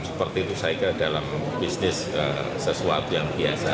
seperti itu saya kira dalam bisnis sesuatu yang biasa